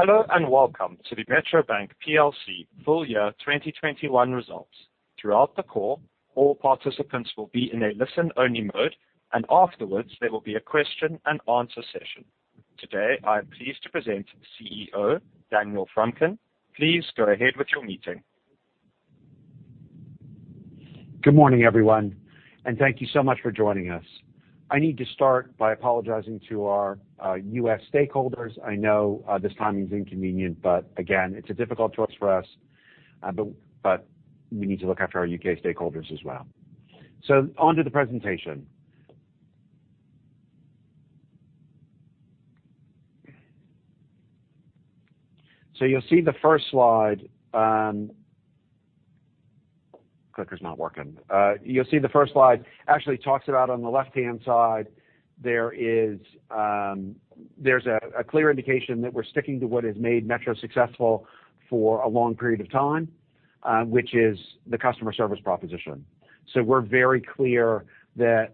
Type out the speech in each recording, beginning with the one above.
Hello, and welcome to the Metro Bank PLC full year 2021 results. Throughout the call, all participants will be in a listen-only mode, and afterwards, there will be a question and answer session. Today, I am pleased to present CEO Daniel Frumkin. Please go ahead with your meeting. Good morning, everyone, and thank you so much for joining us. I need to start by apologizing to our U.S. stakeholders. I know, this timing is inconvenient, but again, it's a difficult choice for us. We need to look after our U.K. stakeholders as well. On to the presentation. You'll see the first slide. Clicker's not working. You'll see the first slide actually talks about on the left-hand side, there is, there's a clear indication that we're sticking to what has made Metro successful for a long period of time, which is the customer service proposition. We're very clear that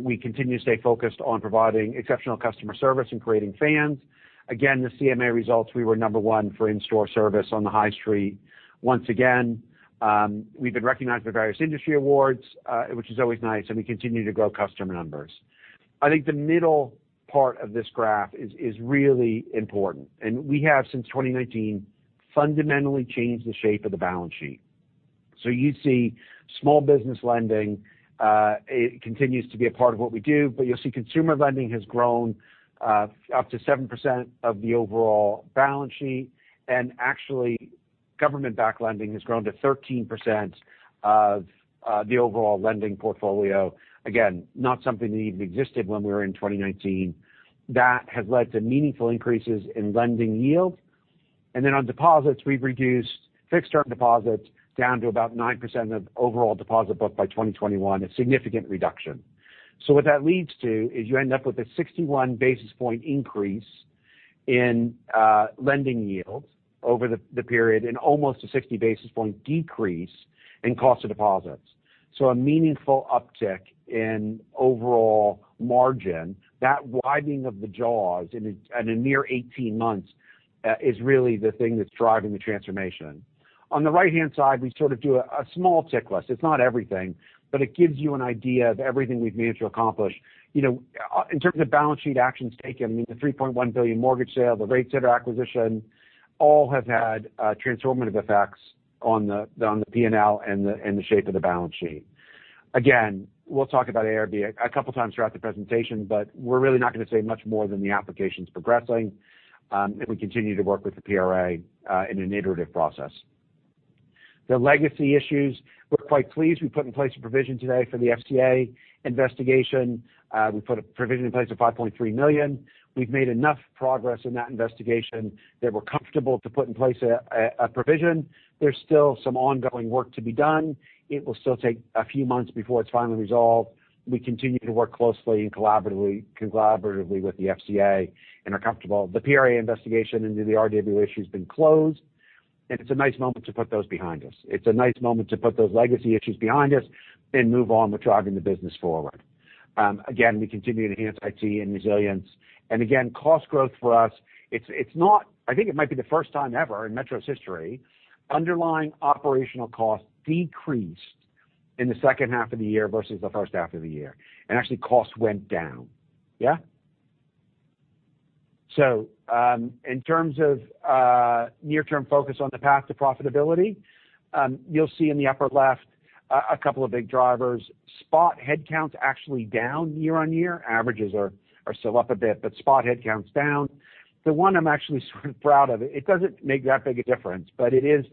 we continue to stay focused on providing exceptional customer service and creating fans. Again, the CMA results, we were number one for in-store service on the high street. Once again, we've been recognized by various industry awards, which is always nice, and we continue to grow customer numbers. I think the middle part of this graph is really important. We have, since 2019, fundamentally changed the shape of the balance sheet. You see small business lending, it continues to be a part of what we do, but you'll see consumer lending has grown, up to 7% of the overall balance sheet. Actually, government-backed lending has grown to 13% of, the overall lending portfolio. Again, not something that even existed when we were in 2019. That has led to meaningful increases in lending yield. Then on deposits, we've reduced fixed-term deposits down to about 9% of overall deposit book by 2021, a significant reduction. What that leads to is you end up with a 61 basis point increase in lending yield over the period and almost a 60 basis point decrease in cost of deposits. A meaningful uptick in overall margin. That widening of the jaws in a near 18 months is really the thing that's driving the transformation. On the right-hand side, we sort of do a small tick list. It's not everything, but it gives you an idea of everything we've managed to accomplish. You know, in terms of balance sheet actions taken, I mean, the 3.1 billion mortgage sale, the RateSetter acquisition, all have had transformative effects on the P&L and the shape of the balance sheet. Again, we'll talk about IRB a couple times throughout the presentation, but we're really not gonna say much more than the application's progressing, and we continue to work with the PRA in an iterative process. The legacy issues, we're quite pleased. We put in place a provision today for the FCA investigation. We put a provision in place of 5.3 million. We've made enough progress in that investigation that we're comfortable to put in place a provision. There's still some ongoing work to be done. It will still take a few months before it's finally resolved. We continue to work closely and collaboratively with the FCA and are comfortable. The PRA investigation into the RWA issue has been closed, and it's a nice moment to put those behind us. It's a nice moment to put those legacy issues behind us and move on with driving the business forward. Again, we continue to enhance IT and resilience. Again, cost growth for us, it's not, I think it might be the first time ever in Metro's history, underlying operational costs decreased in the second half of the year versus the first half of the year. Actually, costs went down. In terms of near-term focus on the path to profitability, you'll see in the upper left a couple of big drivers. Spot headcount's actually down year-over-year. Averages are still up a bit, but spot headcount's down. The one I'm actually sort of proud of, it doesn't make that big a difference, but it is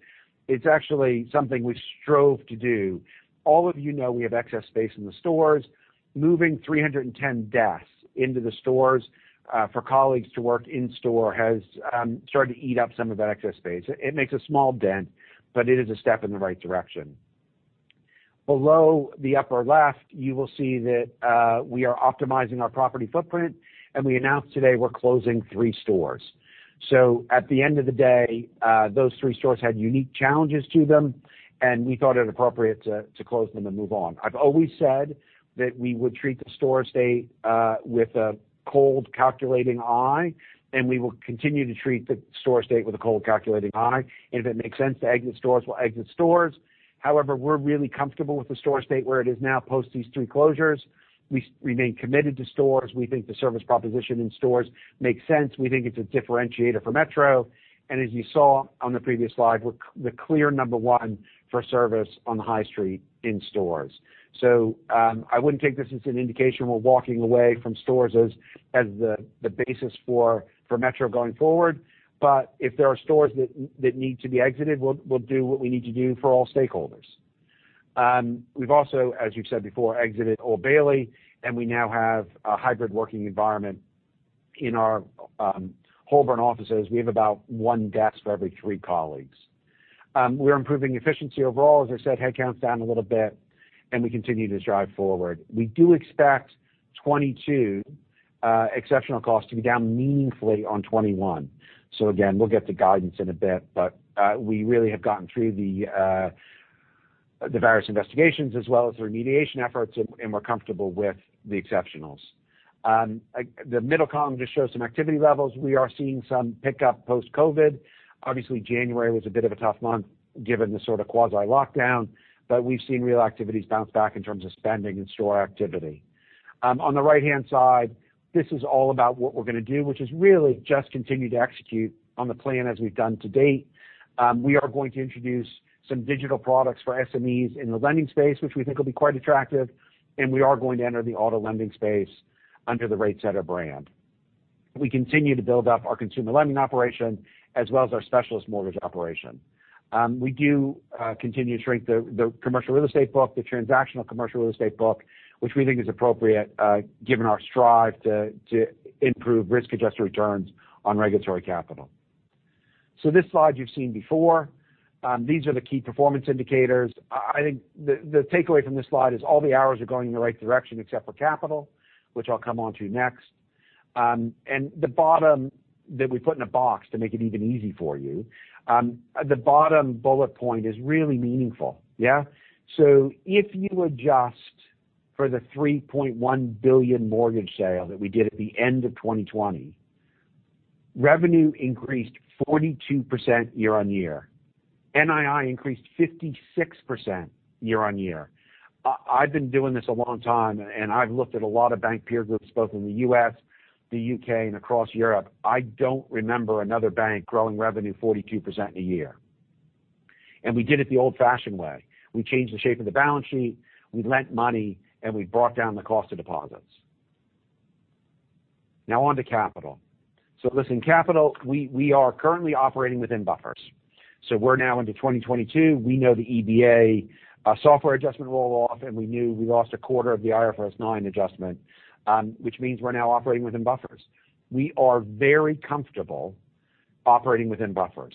actually something we strove to do. All of you know we have excess space in the stores. Moving 310 desks into the stores for colleagues to work in store has started to eat up some of that excess space. It makes a small dent, but it is a step in the right direction. Below the upper left, you will see that we are optimizing our property footprint, and we announced today we're closing three stores. At the end of the day, those three stores had unique challenges to them, and we thought it appropriate to close them and move on. I've always said that we would treat the store estate with a cold, calculating eye, and we will continue to treat the store estate with a cold, calculating eye. If it makes sense to exit stores, we'll exit stores. However, we're really comfortable with the store estate where it is now post these three closures. We remain committed to stores. We think the service proposition in stores makes sense. We think it's a differentiator for Metro. As you saw on the previous slide, we're the clear number one for service on the High Street in stores. I wouldn't take this as an indication we're walking away from stores as the basis for Metro going forward. If there are stores that need to be exited, we'll do what we need to do for all stakeholders. We've also, as we've said before, exited Old Bailey, and we now have a hybrid working environment in our Holborn offices. We have about one desk for every three colleagues. We're improving efficiency overall. As I said, headcount's down a little bit, and we continue to drive forward. We do expect 2022 exceptional costs to be down meaningfully on 2021. Again, we'll get to guidance in a bit, but we really have gotten through the various investigations as well as the remediation efforts, and we're comfortable with the exceptionals. The middle column just shows some activity levels. We are seeing some pickup post-COVID. Obviously, January was a bit of a tough month given the sort of quasi-lockdown, but we've seen real activities bounce back in terms of spending and store activity. On the right-hand side, this is all about what we're gonna do, which is really just continue to execute on the plan as we've done to date. We are going to introduce some digital products for SMEs in the lending space, which we think will be quite attractive, and we are going to enter the auto lending space under the RateSetter brand. We continue to build up our consumer lending operation as well as our specialist mortgage operation. We do continue to shrink the commercial real estate book, the transactional commercial real estate book, which we think is appropriate, given our strive to improve risk-adjusted returns on regulatory capital. This slide you've seen before. These are the key performance indicators. I think the takeaway from this slide is all the arrows are going in the right direction except for capital, which I'll come onto next. The bottom that we put in a box to make it even easier for you, the bottom bullet point is really meaningful. Yeah. If you adjust for the 3.1 billion mortgage sale that we did at the end of 2020, revenue increased 42% year-on-year. NII increased 56% year-on-year. I've been doing this a long time, and I've looked at a lot of bank peer groups, both in the U.S., the U.K., and across Europe. I don't remember another bank growing revenue 42% in a year. We did it the old-fashioned way. We changed the shape of the balance sheet, we lent money, and we brought down the cost of deposits. Now on to capital. Listen, capital, we are currently operating within buffers. We're now into 2022. We know the EBA severance adjustment roll-off, and we knew we lost a quarter of the IFRS 9 adjustment, which means we're now operating within buffers. We are very comfortable operating within buffers.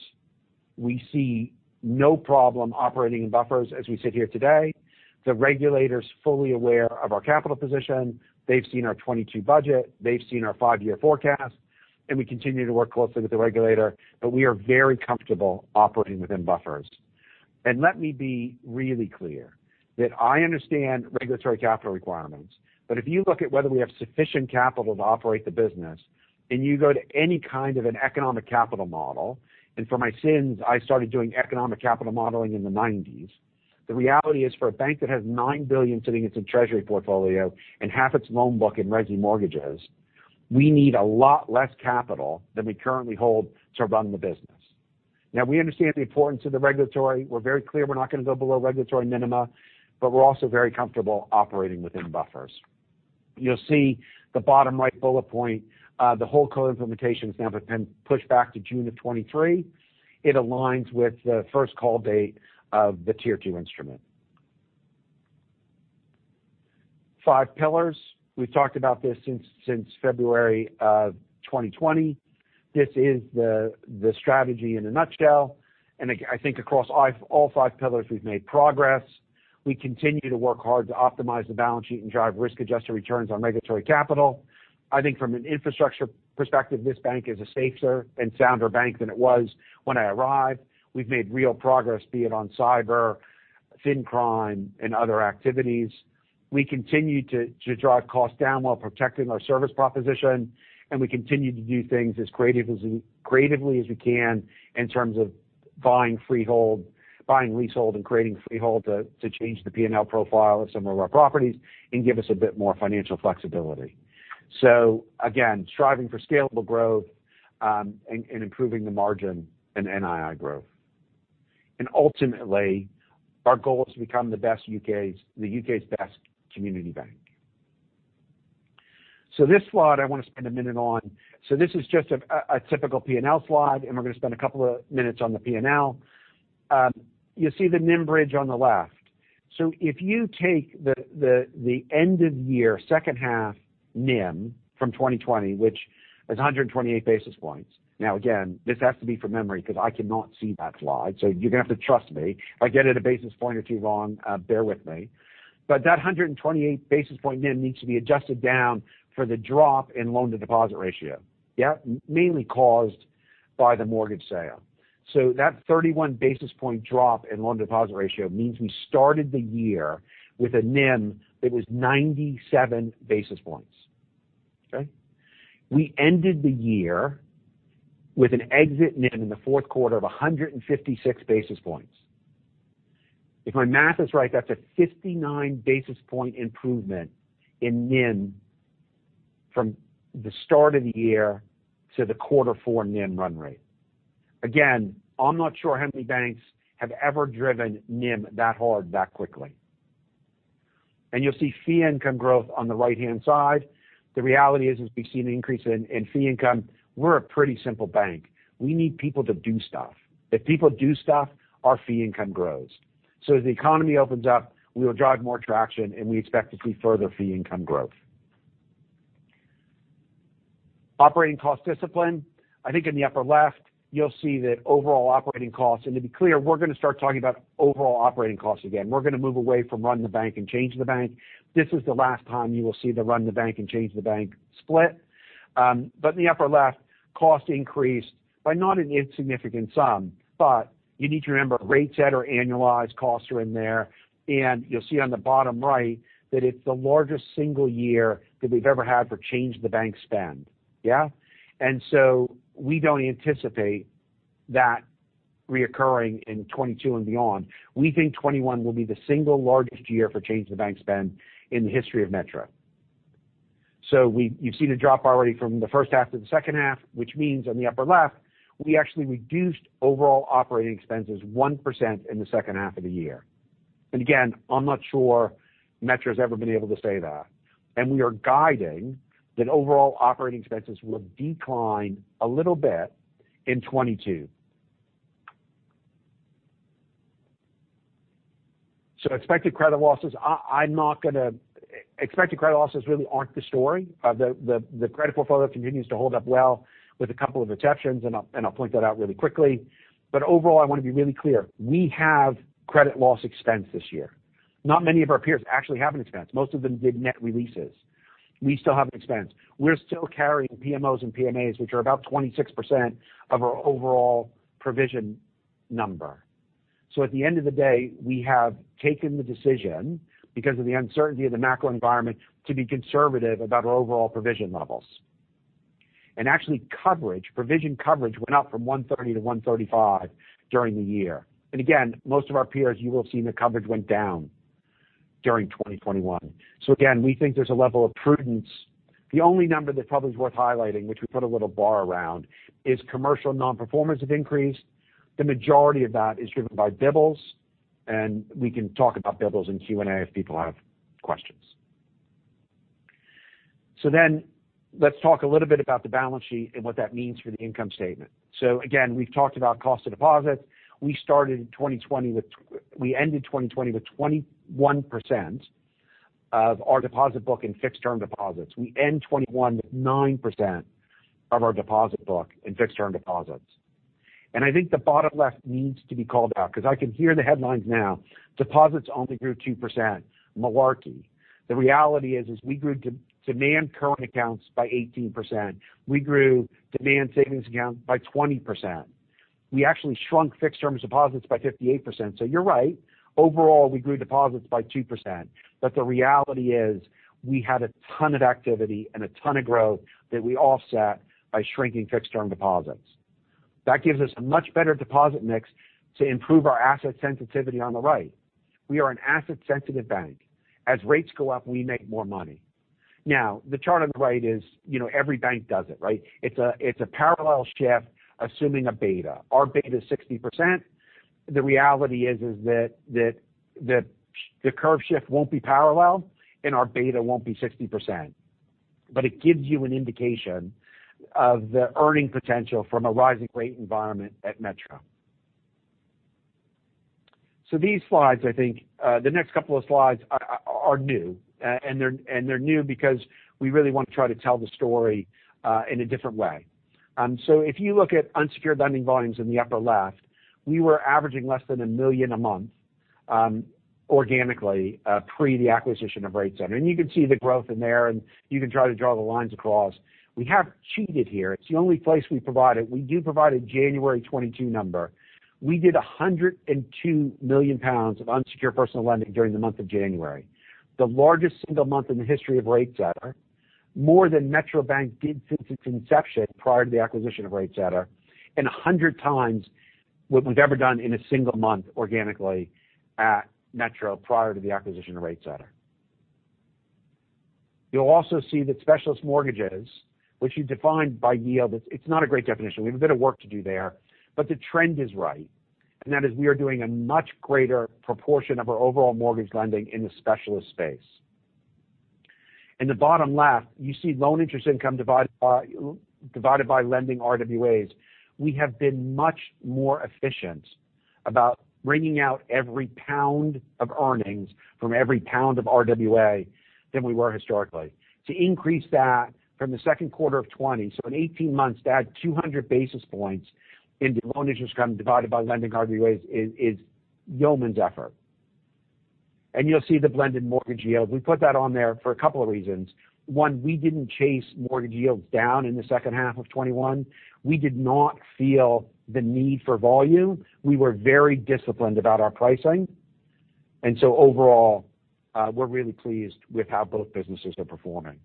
We see no problem operating in buffers as we sit here today. The regulator's fully aware of our capital position. They've seen our 22 budget. They've seen our five-year forecast, and we continue to work closely with the regulator, but we are very comfortable operating within buffers. Let me be really clear that I understand regulatory capital requirements. If you look at whether we have sufficient capital to operate the business and you go to any kind of an economic capital model, and for my sins, I started doing economic capital modeling in the 1990s, the reality is for a bank that has 9 billion sitting in some treasury portfolio and half its loan book in resi mortgages, we need a lot less capital than we currently hold to run the business. Now we understand the importance of the regulatory. We're very clear we're not going to go below regulatory minima, but we're also very comfortable operating within buffers. You'll see the bottom right bullet point, the whole code implementation has now been pushed back to June 2023. It aligns with the first call date of the tier two instrument. Five pillars. We've talked about this since February 2020. This is the strategy in a nutshell. I think across all five pillars, we've made progress. We continue to work hard to optimize the balance sheet and drive risk-adjusted returns on regulatory capital. I think from an infrastructure perspective, this bank is a safer and sounder bank than it was when I arrived. We've made real progress, be it on cyber, financial crime, and other activities. We continue to drive costs down while protecting our service proposition, and we continue to do things as creatively as we can in terms of buying freehold, buying leasehold and creating freehold to change the P&L profile of some of our properties and give us a bit more financial flexibility. We are striving for scalable growth and improving the margin and NII growth. Ultimately, our goal is to become the U.K.'s best community bank. This slide I want to spend a minute on. This is just a typical P&L slide, and we're going to spend a couple of minutes on the P&L. You'll see the NIM bridge on the left. If you take the end of year second half NIM from 2020, which is 128 basis points. Now, again, this has to be from memory because I cannot see that slide, so you're going to have to trust me. If I get it a basis point or two wrong, bear with me. That 128 basis point NIM needs to be adjusted down for the drop in loan-to-deposit ratio. Mainly caused by the mortgage sale. That 31 basis point drop in loan-to-deposit ratio means we started the year with a NIM that was 97 basis points. Okay? We ended the year with an exit NIM in the fourth quarter of 156 basis points. If my math is right, that's a 59 basis point improvement in NIM from the start of the year to the quarter four NIM run rate. Again, I'm not sure how many banks have ever driven NIM that hard, that quickly. You'll see fee income growth on the right-hand side. The reality is we've seen an increase in fee income. We're a pretty simple bank. We need people to do stuff. If people do stuff, our fee income grows. As the economy opens up, we will drive more traction and we expect to see further fee income growth. Operating cost discipline. I think in the upper left, you'll see that overall operating costs. To be clear, we're going to start talking about overall operating costs again. We're going to move away from running the bank and change the bank. This is the last time you will see the run the bank and change the bank split. In the upper left, cost increased by not an insignificant sum. You need to remember RateSetter annualized costs are in there. You'll see on the bottom right that it's the largest single year that we've ever had for change the bank spend. We don't anticipate that recurring in 2022 and beyond. We think 2021 will be the single largest year for change the bank spend in the history of Metro. You've seen a drop already from the first half to the second half, which means on the upper left, we actually reduced overall operating expenses 1% in the second half of the year. Again, I'm not sure Metro's ever been able to say that. We are guiding that overall operating expenses will decline a little bit in 2022. Expected credit losses really aren't the story. The credit portfolio continues to hold up well with a couple of exceptions, and I'll point that out really quickly. Overall, I want to be really clear. We have credit loss expense this year. Not many of our peers actually have an expense. Most of them did net releases. We still have an expense. We're still carrying PMOs and PMAs, which are about 26% of our overall provision number. At the end of the day, we have taken the decision because of the uncertainty of the macro environment to be conservative about our overall provision levels. Actually coverage, provision coverage went up from 130 to 135 during the year. Again, most of our peers, you will have seen the coverage went down during 2021. Again, we think there's a level of prudence. The only number that probably is worth highlighting, which we put a little bar around, is commercial nonperformance have increased. The majority of that is driven by BBLS, and we can talk about BBLS in Q&A if people have questions. Then let's talk a little bit about the balance sheet and what that means for the income statement. Again, we've talked about cost of deposits. We ended 2020 with 21% of our deposit book in fixed term deposits. We end 2021 with 9% of our deposit book in fixed term deposits. I think the bottom left needs to be called out because I can hear the headlines now. Deposits only grew 2%. Malarkey. The reality is we grew demand current accounts by 18%. We grew demand savings accounts by 20%. We actually shrunk fixed term deposits by 58%. You're right. Overall, we grew deposits by 2%. The reality is we had a ton of activity and a ton of growth that we offset by shrinking fixed term deposits. That gives us a much better deposit mix to improve our asset sensitivity on the right. We are an asset sensitive bank. As rates go up, we make more money. Now, the chart on the right is, you know, every bank does it, right? It's a parallel shift, assuming a beta. Our beta is 60%. The reality is that the curve shift won't be parallel and our beta won't be 60%. It gives you an indication of the earning potential from a rising rate environment at Metro. These slides, I think, the next couple of slides are new, and they're new because we really want to try to tell the story in a different way. If you look at unsecured lending volumes in the upper left, we were averaging less than 1 million a month, organically, pre the acquisition of RateSetter. You can see the growth in there and you can try to draw the lines across. We have cheated here. It's the only place we provide it. We do provide a January 2022 number. We did 102 million pounds of unsecured personal lending during the month of January, the largest single month in the history of RateSetter, more than Metro Bank did since its inception prior to the acquisition of RateSetter, and 100 times what we've ever done in a single month organically at Metro prior to the acquisition of RateSetter. You'll also see that specialist mortgages, which you defined by yield, it's not a great definition. We have a bit of work to do there, but the trend is right. That is we are doing a much greater proportion of our overall mortgage lending in the specialist space. In the bottom left, you see loan interest income divided by lending RWAs. We have been much more efficient about wringing out every pound of earnings from every pound of RWA than we were historically. To increase that from the second quarter of 2020, so in 18 months to add 200 basis points into loan interest income divided by lending RWAs is yeoman's effort. You'll see the blended mortgage yield. We put that on there for a couple of reasons. One, we didn't chase mortgage yields down in the second half of 2021. We did not feel the need for volume. We were very disciplined about our pricing. Overall, we're really pleased with how both businesses are performing.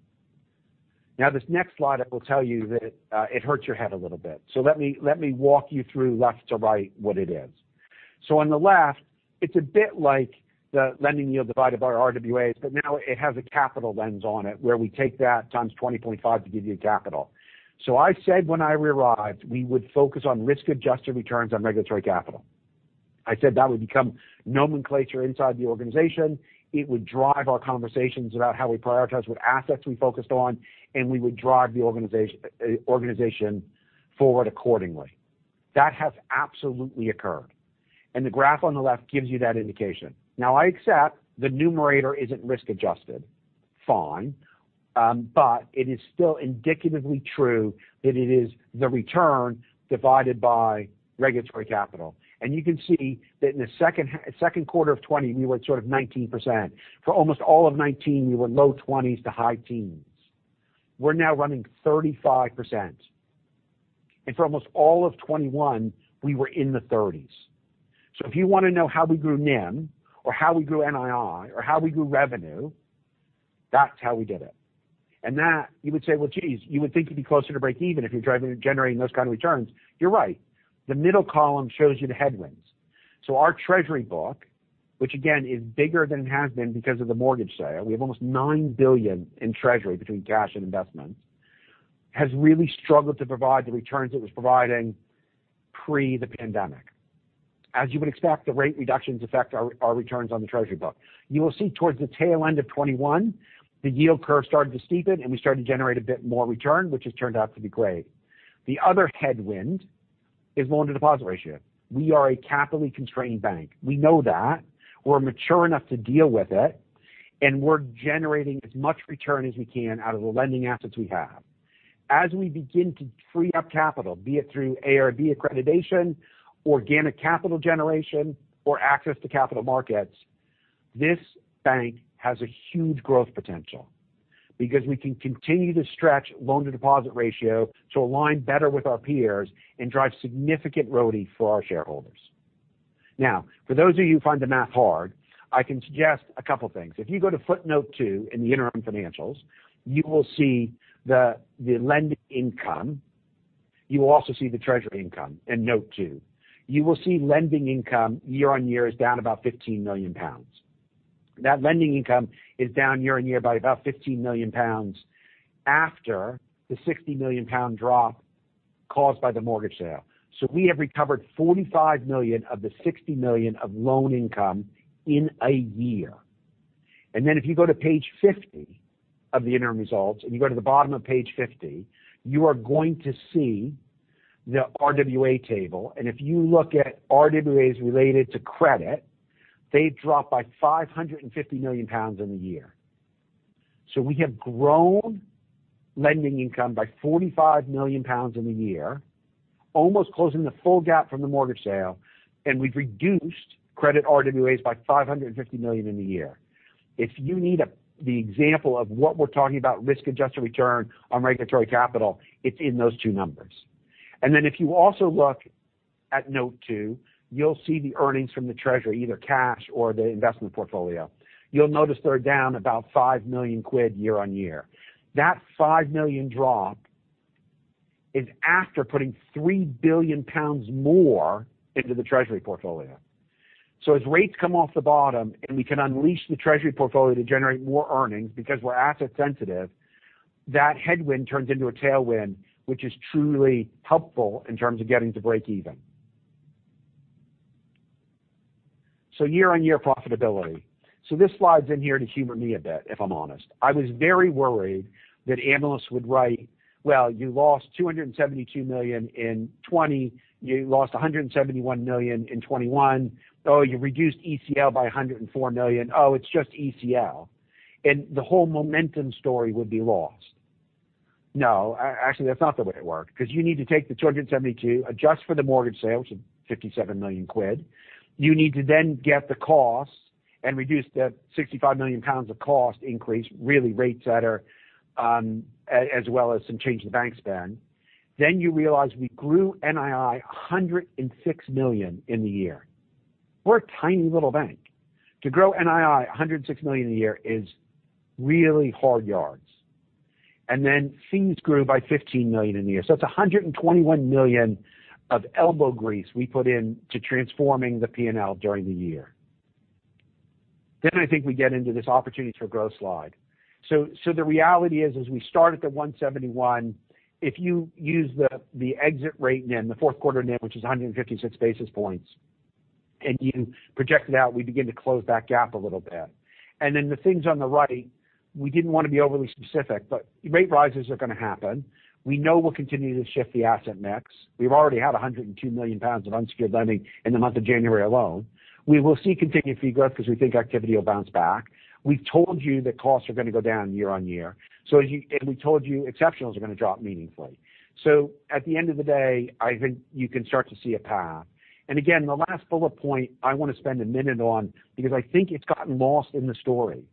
Now, this next slide, I will tell you that it hurts your head a little bit. Let me walk you through left to right what it is. On the left, it's a bit like the lending yield divided by our RWAs, but now it has a capital lens on it, where we take that x20.5 to give you a capital. I said when I re-arrived, we would focus on risk-adjusted returns on regulatory capital. I said that would become nomenclature inside the organization. It would drive our conversations about how we prioritize what assets we focused on, and we would drive the organization forward accordingly. That has absolutely occurred. The graph on the left gives you that indication. Now, I accept the numerator isn't risk adjusted. Fine. It is still indicatively true that it is the return divided by regulatory capital. You can see that in the second quarter of 2020, we were at sort of 19%. For almost all of 2019, we were low 20s to high teens. We're now running 35%. For almost all of 2021, we were in the 30s. If you wanna know how we grew NIM or how we grew NII or how we grew revenue, that's how we did it. That you would say, "Well, geez, you would think you'd be closer to breakeven if you're driving and generating those kind of returns." You're right. The middle column shows you the headwinds. Our treasury book, which again is bigger than it has been because of the mortgage sale, we have almost 9 billion in treasury between cash and investments, has really struggled to provide the returns it was providing pre the pandemic. As you would expect, the rate reductions affect our returns on the treasury book. You will see towards the tail end of 2021, the yield curve started to steepen and we started to generate a bit more return, which has turned out to be great. The other headwind is loan-to-deposit ratio. We are a capitally constrained bank. We know that. We're mature enough to deal with it, and we're generating as much return as we can out of the lending assets we have. As we begin to free up capital, be it through IRB accreditation, organic capital generation, or access to capital markets, this bank has a huge growth potential because we can continue to stretch loan-to-deposit ratio to align better with our peers and drive significant ROE for our shareholders. Now, for those of you who find the math hard, I can suggest a couple things. If you go to footnote two in the interim financials, you will see the lending income. You will also see the treasury income in note two. You will see lending income year-on-year is down about 15 million pounds. That lending income is down year-on-year by about 15 million pounds after the 60 million pound drop caused by the mortgage sale. We have recovered 45 million of the 60 million of lending income in a year. If you go to page 50 of the interim results, and you go to the bottom of page 50, you are going to see the RWA table. If you look at RWAs related to credit, they dropped by 550 million pounds in the year. We have grown lending income by 45 million pounds in the year, almost closing the full gap from the mortgage sale, and we've reduced credit RWAs by 550 million in the year. If you need the example of what we're talking about risk-adjusted return on regulatory capital, it's in those two numbers. if you also look at note two, you'll see the earnings from the treasury, either cash or the investment portfolio. You'll notice they're down about 5 million quid year-on-year. That 5 million drop is after putting 3 billion pounds more into the treasury portfolio. As rates come off the bottom and we can unleash the treasury portfolio to generate more earnings because we're asset sensitive, that headwind turns into a tailwind, which is truly helpful in terms of getting to breakeven. Year-on-year profitability. This slide's in here to humor me a bit, if I'm honest. I was very worried that analysts would write, "Well, you lost 272 million in 2020. You lost 171 million in 2021. Oh, you reduced ECL by 104 million. Oh, it's just ECL." And the whole momentum story would be lost. No, actually, that's not the way it worked because you need to take the 272 million, adjust for the mortgage sale, which is 57 million quid. You need to then get the costs and reduce the 65 million pounds of cost increase, really RateSetter, as well as some change in the bank spend. Then you realize we grew NII 106 million in the year. We're a tiny little bank. To grow NII 106 million a year is really hard yards. Fees grew by 15 million in the year. It's 121 million of elbow grease we put in to transforming the P&L during the year. I think we get into this opportunity for growth slide. The reality is, as we start at the 171 million, if you use the exit rate NIM, the fourth quarter NIM which is 156 basis points, and you project it out, we begin to close that gap a little bit. The things on the right, we didn't want to be overly specific, but rate rises are gonna happen. We know we'll continue to shift the asset mix. We've already had 102 million pounds of unsecured lending in the month of January alone. We will see continued fee growth because we think activity will bounce back. We've told you that costs are going to go down year-on-year. We told you exceptionals are going to drop meaningfully. At the end of the day, I think you can start to see a path. Again, the last bullet point I want to spend a minute on because I think it's gotten lost in the story.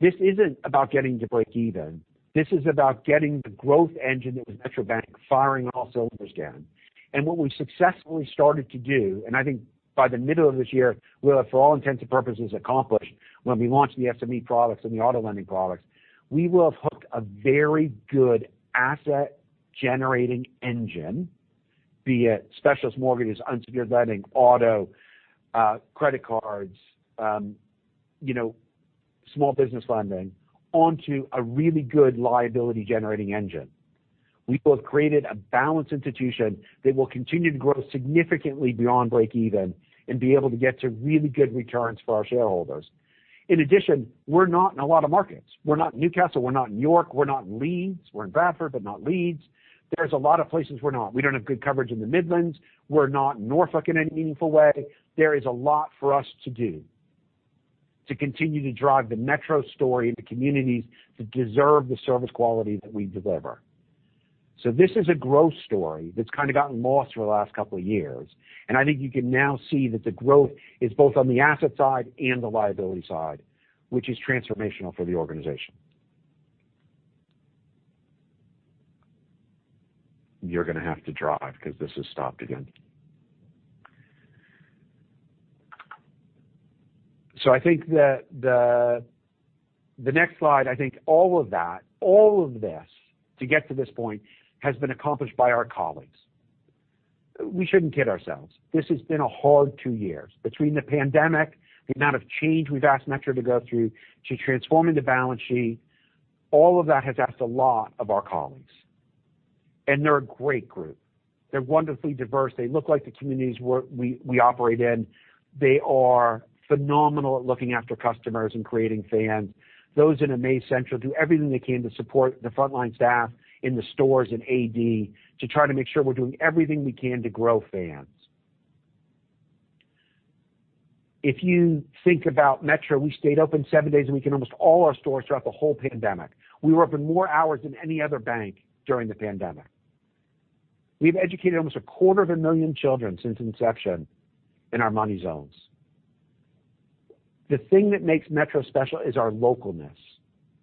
This isn't about getting to breakeven. This is about getting the growth engine that was Metro Bank firing on all cylinders again. What we've successfully started to do, and I think by the middle of this year, we'll have, for all intents and purposes, accomplished when we launch the SME products and the auto lending products. We will have hooked a very good asset generating engine, be it specialist mortgages, unsecured lending, auto, credit cards, you know, small business lending, onto a really good liability generating engine. We will have created a balanced institution that will continue to grow significantly beyond breakeven and be able to get to really good returns for our shareholders. In addition, we're not in a lot of markets. We're not in Newcastle, we're not in York, we're not in Leeds. We're in Bradford, but not Leeds. There's a lot of places we're not. We don't have good coverage in the Midlands. We're not in Norfolk in any meaningful way. There is a lot for us to do to continue to drive the Metro story into communities that deserve the service quality that we deliver. This is a growth story that's kind of gotten lost for the last couple of years, and I think you can now see that the growth is both on the asset side and the liability side, which is transformational for the organization. You're gonna have to drive because this has stopped again. I think that the next slide. I think all of that, all of this to get to this point has been accomplished by our colleagues. We shouldn't kid ourselves. This has been a hard two years between the pandemic, the amount of change we've asked Metro to go through to transforming the balance sheet. All of that has asked a lot of our colleagues. They're a great group. They're wonderfully diverse. They look like the communities we operate in. They are phenomenal at looking after customers and creating fans. Those in Amazing Central do everything they can to support the frontline staff in the stores and add to try to make sure we're doing everything we can to grow fans. If you think about Metro, we stayed open seven days a week in almost all our stores throughout the whole pandemic. We were open more hours than any other bank during the pandemic. We've educated almost a quarter of a million children since inception in our Money Zones. The thing that makes Metro special is our localness.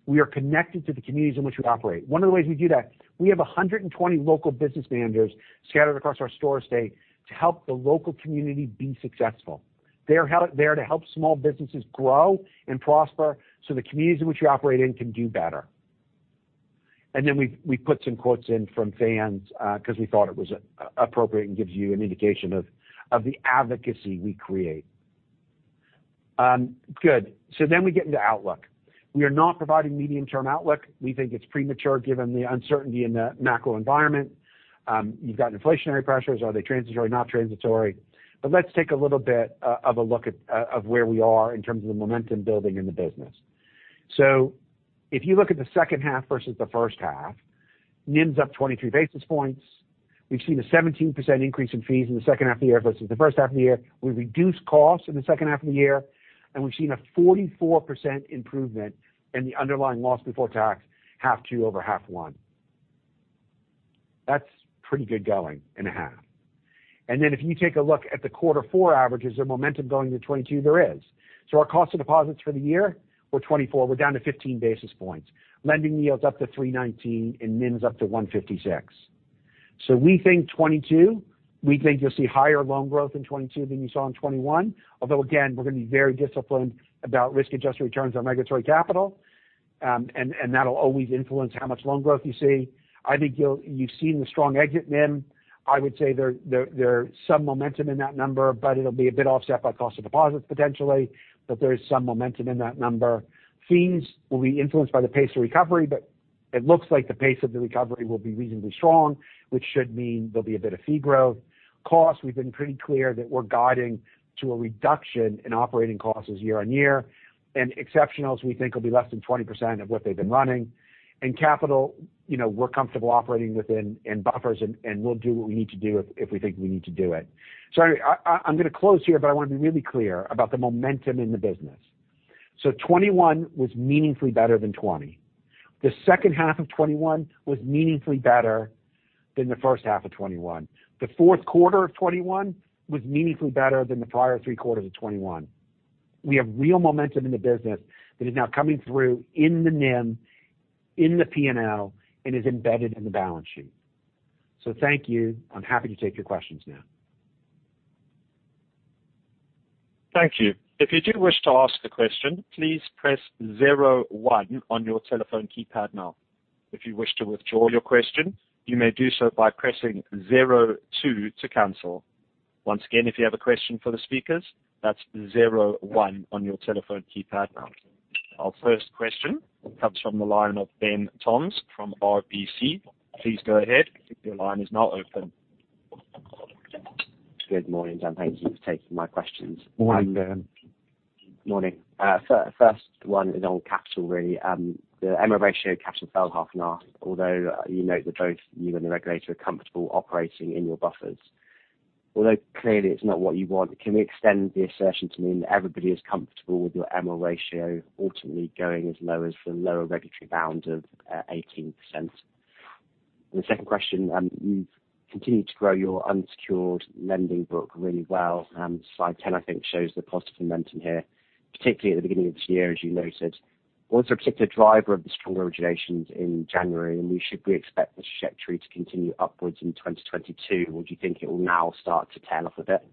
We are connected to the communities in which we operate. One of the ways we do that, we have 120 local business managers scattered across our store estate to help the local community be successful. They're to help small businesses grow and prosper so the communities in which we operate in can do better. Then we put some quotes in from fans because we thought it was appropriate and gives you an indication of the advocacy we create. We get into outlook. We are not providing medium-term outlook. We think it's premature given the uncertainty in the macro environment. You've got inflationary pressures. Are they transitory, not transitory? Let's take a little bit of a look at where we are in terms of the momentum building in the business. If you look at the second half versus the first half, NIMs up 23 basis points. We've seen a 17% increase in fees in the second half of the year versus the first half of the year. We've reduced costs in the second half of the year, and we've seen a 44% improvement in the underlying loss before tax H2 over H1. That's pretty good going in a half. If you take a look at the Q4 averages of momentum going into 2022, there is. Our cost of deposits for the year were 24. We're down to 15 basis points. Lending yields up to 3.19 and NIMs up to 1.56. We think you'll see higher loan growth in 2022 than you saw in 2021. Although again, we're going to be very disciplined about risk-adjusted returns on regulatory capital, and that'll always influence how much loan growth you see. I think you've seen the strong exit NIM. I would say there is some momentum in that number, but it'll be a bit offset by cost of deposits potentially. There is some momentum in that number. Fees will be influenced by the pace of recovery, but it looks like the pace of the recovery will be reasonably strong, which should mean there'll be a bit of fee growth. Costs, we've been pretty clear that we're guiding to a reduction in operating costs year-on-year. Exceptionals, we think, will be less than 20% of what they've been running. Capital, you know, we're comfortable operating within buffers, and we'll do what we need to do if we think we need to do it. I'm gonna close here, but I want to be really clear about the momentum in the business. 2021 was meaningfully better than 2020. The second half of 2021 was meaningfully better than the first half of 2021. The fourth quarter of 2021 was meaningfully better than the prior three-quarters of 2021. We have real momentum in the business that is now coming through in the NIM, in the P&L, and is embedded in the balance sheet. Thank you. I'm happy to take your questions now. Our first question comes from the line of Ben Toms from RBC. Please go ahead. Your line is now open. Good morning, and thank you for taking my questions. Morning, Ben. Morning. First one is on capital, really. The MREL ratio capital fell half a point. Although you note that both you and the regulator are comfortable operating in your buffers. Although clearly it's not what you want, can we extend the assertion to mean that everybody is comfortable with your MREL ratio ultimately going as low as the lower regulatory bound of 18%? The second question, you've continued to grow your unsecured lending book really well. Slide 10, I think, shows the positive momentum here, particularly at the beginning of this year, as you noted. What's a particular driver of the strong originations in January, and should we expect the trajectory to continue upwards in 2022, or do you think it will now start to tail off a bit?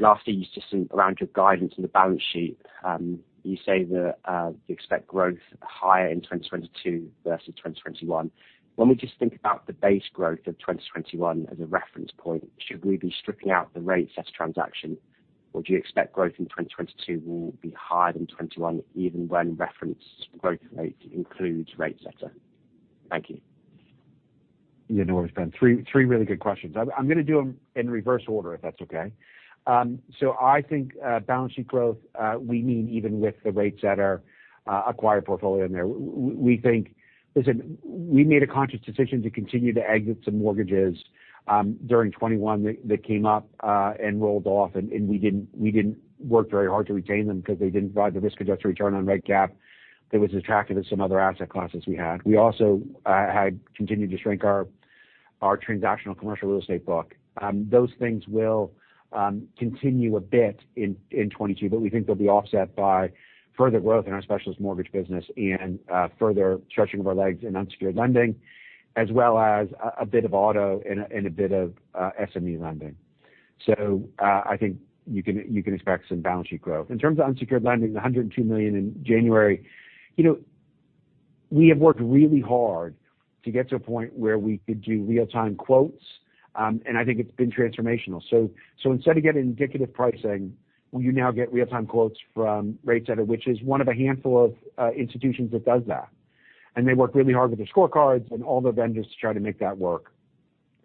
Lastly, just around your guidance in the balance sheet, you say that you expect growth higher in 2022 versus 2021. When we just think about the base growth of 2021 as a reference point, should we be stripping out the RateSetter transaction, or do you expect growth in 2022 will be higher than 21 even when reference growth rate includes RateSetter? Thank you. You know where we spend. Three really good questions. I'm gonna do them in reverse order, if that's okay. I think balance sheet growth, we need even with the rates that are acquired portfolio in there. We think, listen, we made a conscious decision to continue to exit some mortgages during 2021 that came up and rolled off, and we didn't work very hard to retain them because they didn't provide the risk-adjusted return on regulatory capital that was attractive to some other asset classes we had. We also had continued to shrink our transactional commercial real estate book. Those things will continue a bit in 2022, but we think they'll be offset by further growth in our specialist mortgage business and further stretching of our legs in unsecured lending, as well as a bit of auto and a bit of SME lending. I think you can expect some balance sheet growth. In terms of unsecured lending, the 102 million in January. You know, we have worked really hard to get to a point where we could do real-time quotes, and I think it's been transformational. Instead of getting indicative pricing, well, you now get real-time quotes from RateSetter, which is one of a handful of institutions that does that. They work really hard with their scorecards and all their vendors to try to make that work.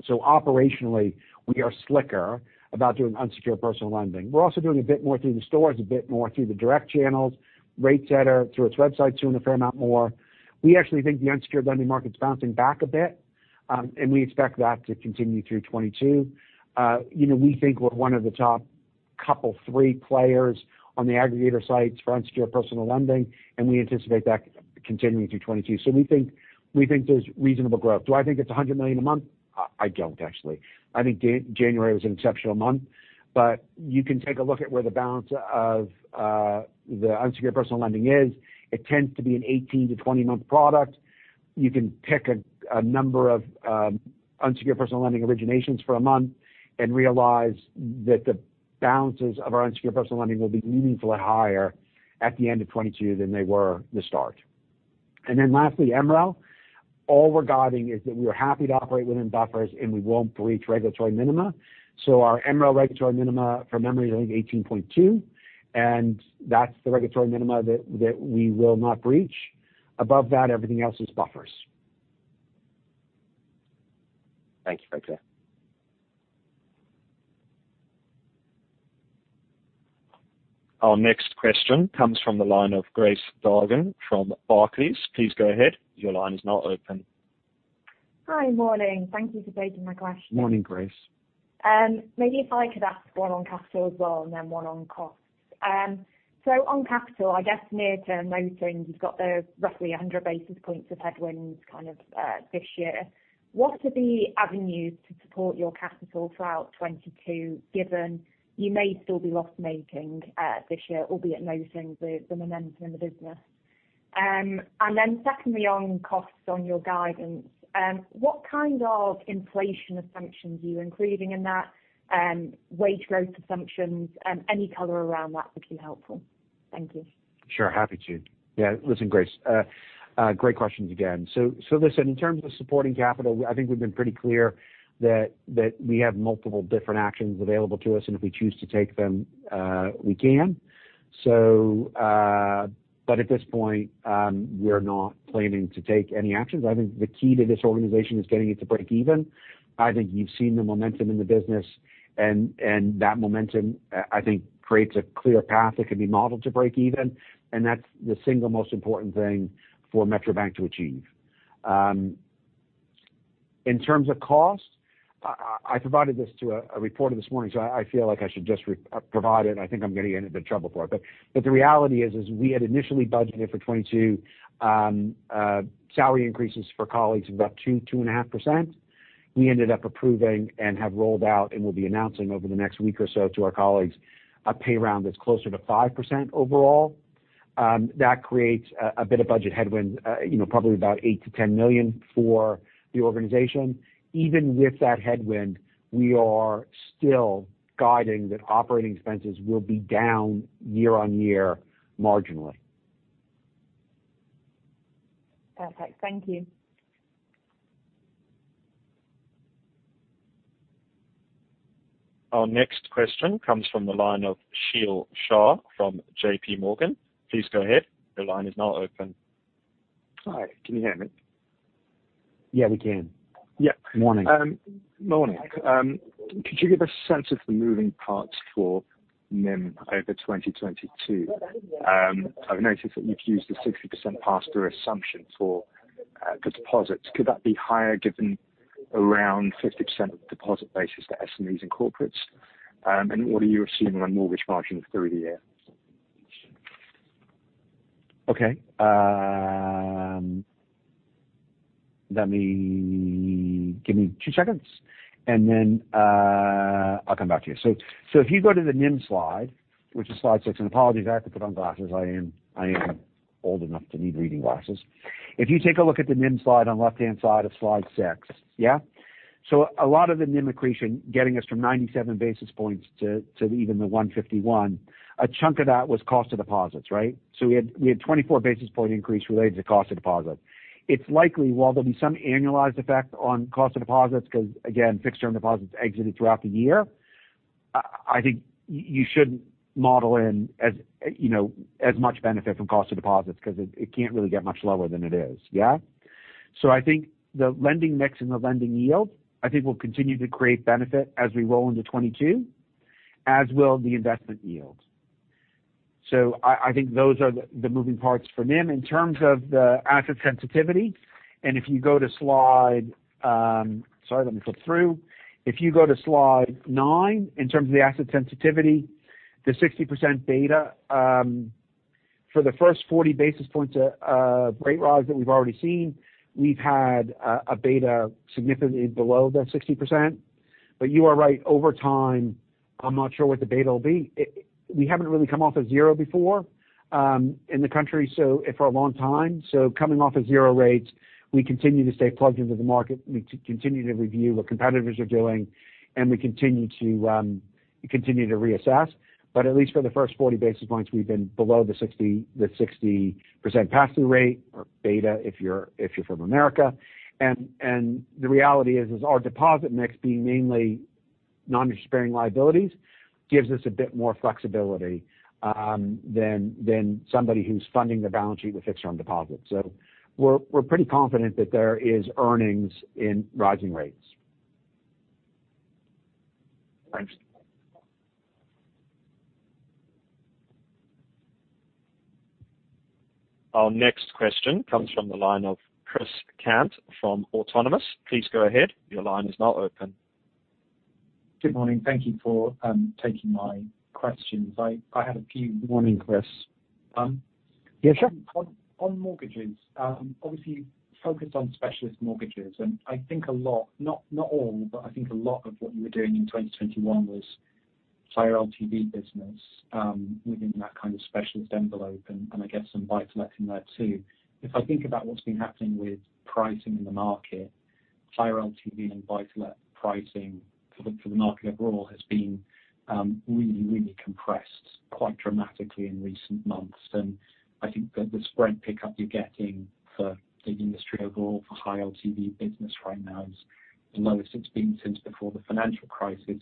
Operationally, we are slicker about doing unsecured personal lending. We're also doing a bit more through the stores, a bit more through the direct channels, RateSetter through its website, doing a fair amount more. We actually think the unsecured lending market's bouncing back a bit, and we expect that to continue through 2022. You know, we think we're one of the top couple, three players on the aggregator sites for unsecured personal lending, and we anticipate that continuing through 2022. We think there's reasonable growth. Do I think it's 100 million a month? I don't actually. I think January was an exceptional month, but you can take a look at where the balance of the unsecured personal lending is. It tends to be an 18-20-month product. You can pick a number of unsecured personal lending originations for a month and realize that the balances of our unsecured personal lending will be meaningfully higher at the end of 2022 than they were at the start. Then lastly, MREL. All we're guiding is that we are happy to operate within buffers, and we won't breach regulatory minima. Our MREL regulatory minima from memory is I think 18.2, and that's the regulatory minima that we will not breach. Above that, everything else is buffers. Thank you for that. Our next question comes from the line of Grace Dargan from Barclays. Please go ahead. Your line is now open. Hi. Morning. Thank you for taking my question. Morning, Grace. Maybe if I could ask one on capital as well, and then one on costs. On capital, I guess near term, noting you've got the roughly 100 basis points of headwinds kind of this year. What are the avenues to support your capital throughout 2022, given you may still be loss-making this year, albeit noting the momentum in the business? Secondly, on costs on your guidance, what kind of inflation assumptions are you including in that? Wage growth assumptions and any color around that would be helpful. Thank you. Sure. Happy to. Yeah. Listen, Grace, great questions again. Listen, in terms of supporting capital, I think we've been pretty clear that we have multiple different actions available to us, and if we choose to take them, we can. But at this point, we're not planning to take any actions. I think the key to this organization is getting it to break even. I think you've seen the momentum in the business and that momentum, I think creates a clear path that can be modeled to break even, and that's the single most important thing for Metro Bank to achieve. In terms of cost, I provided this to a reporter this morning, so I feel like I should just provide it. I think I'm gonna get into trouble for it. The reality is we had initially budgeted for 2022 salary increases for colleagues of about 2.5%. We ended up approving and have rolled out and will be announcing over the next week or so to our colleagues a pay round that's closer to 5% overall. That creates a bit of budget headwind, you know, probably about 8 million-10 million for the organization. Even with that headwind, we are still guiding that operating expenses will be down year-on-year marginally. Perfect. Thank you. Our next question comes from the line of Sheel Shah from JPMorgan. Please go ahead. Your line is now open. Hi. Can you hear me? Yeah, we can. Yeah. Morning. Morning. Could you give a sense of the moving parts for NIM over 2022? I've noticed that you've used a 60% pass-through assumption for the deposits. Could that be higher given around 50% of the deposit base is to SMEs and corporates? What are you assuming on mortgage margins through the year? Give me two seconds, and then I'll come back to you. If you go to the NIM slide, which is slide six, and apologies, I have to put on glasses. I am old enough to need reading glasses. If you take a look at the NIM slide on left-hand side of slide six. A lot of the NIM accretion getting us from 97 basis points to even the 151 basis points, a chunk of that was cost of deposits, right? We had 24 basis point increase related to cost of deposits. It's likely while there'll be some annualized effect on cost of deposits because again, fixed term deposits exited throughout the year. I think you shouldn't model in as, you know, as much benefit from cost of deposits because it can't really get much lower than it is. Yeah. I think the lending mix and the lending yield, I think will continue to create benefit as we roll into 2022, as will the investment yield. I think those are the moving parts for NIM. In terms of the asset sensitivity, if you go to slide nine. Sorry, let me flip through. If you go to slide nine, in terms of the asset sensitivity, the 60% beta for the first 40 basis points of rate rise that we've already seen, we've had a beta significantly below the 60%. You are right, over time, I'm not sure what the beta will be. We haven't really come off of zero before, in the country, so for a long time. Coming off of zero rates, we continue to stay plugged into the market. We continue to review what competitors are doing, and we continue to reassess. At least for the first 40 basis points, we've been below the 60% pass-through rate or beta if you're from America. The reality is our deposit mix being mainly non-interest-bearing liabilities gives us a bit more flexibility than somebody who's funding the balance sheet with fixed term deposits. We're pretty confident that there is earnings in rising rates. Thanks. Our next question comes from the line of Chris Cant from Autonomous. Please go ahead. Your line is now open. Good morning. Thank you for taking my questions. I had a few- Good morning, Chris. Um. Yeah, sure. On mortgages, obviously you focused on specialist mortgages. I think a lot, not all, but I think a lot of what you were doing in 2021 was higher LTV business, within that kind of specialist envelope, and I guess some buy-to-let in there too. If I think about what's been happening with pricing in the market, higher LTV and buy-to-let pricing for the market overall has been really compressed quite dramatically in recent months. I think that the spread pickup you're getting for the industry overall for high LTV business right now is the lowest it's been since before the financial crisis.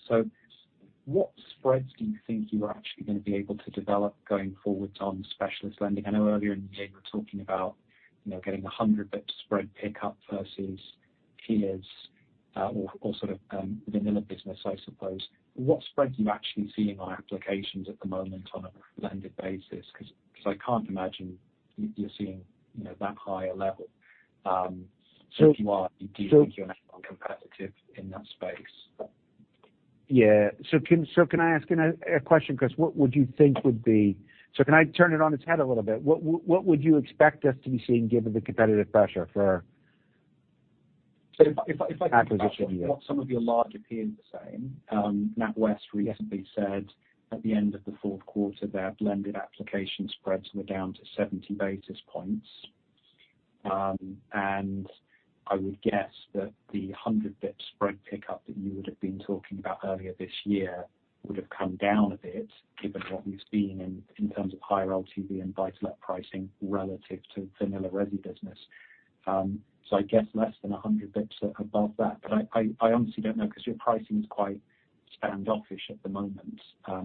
What spreads do you think you are actually gonna be able to develop going forward on specialist lending? I know earlier in the year you were talking about, you know, getting a 100 basis point spread pickup versus peers, or sort of vanilla business, I suppose. What spreads are you actually seeing on applications at the moment on a blended basis? Because I can't imagine you're seeing, you know, that higher level. If you are- So- Do you think you're competitive in that space? Yeah. Can I ask another question, Chris? What would you think would be? Can I turn it on its head a little bit? What would you expect us to be seeing given the competitive pressure for acquisition yield? If I think about what some of your larger peers are saying, NatWest recently said at the end of the fourth quarter their blended application spreads were down to 70 basis points. I would guess that the 100 pip spread pickup that you would have been talking about earlier this year would have come down a bit, given what we've seen in terms of higher LTV and buy-to-let pricing relative to vanilla resi business. I guess less than 100 pips above that. I honestly don't know because your pricing is quite standoffish at the moment,